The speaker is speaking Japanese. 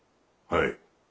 はい。